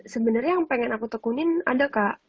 sebenarnya yang pengen aku tekunin ada kak